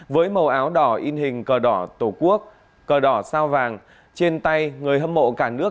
với màu áo đỏ in hình cờ đỏ tổ quốc cờ đỏ sao vàng trên tay người hâm mộ cả nước